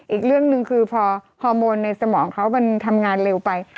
อีกเรื่องหนึ่งคือพอฮอร์โมนในสมองเขามันทำงานเร็วไป